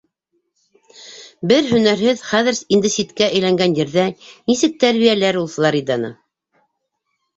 Бер һөнәрһеҙ, хәҙер инде ситкә әйләнгән ерҙә нисек тәрбиәләр ул Флориданы?